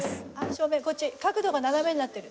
正面こっち角度が斜めになってる。